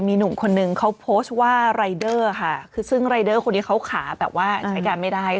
มีหนุ่มคนนึงเขาโพสต์ว่ารายเดอร์ค่ะคือซึ่งรายเดอร์คนนี้เขาขาแบบว่าใช้การไม่ได้